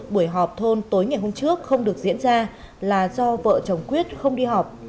buổi họp thôn tối ngày hôm trước không được diễn ra là do vợ chồng quyết không đi học